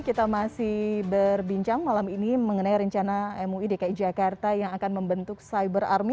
kita masih berbincang malam ini mengenai rencana mui dki jakarta yang akan membentuk cyber army